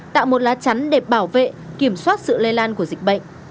tạo một lá chắn để bảo vệ kiểm soát sự lây lan của dịch bệnh